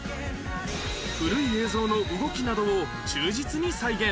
古い映像の動きなどを忠実に再現